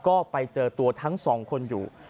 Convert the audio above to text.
ก็ไปเจอตัวทั้งสองคนอยู่